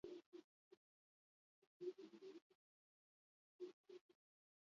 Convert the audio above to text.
Domeinu bat eskuratzeko bertako kontaktua ematea beharrezkoa da.